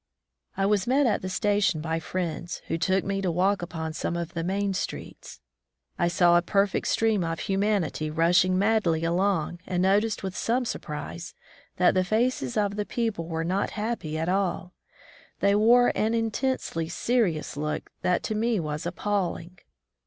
I was met at the station by friends, who took me to walk upon some of the main streets. I saw a perfect stream of humanity rushing madly along, and noticed with some surprise that the faces of the people were not happy at all. They wore an intensely serious look that to me was appalling.